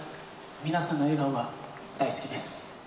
皆さんの笑顔が大好きです。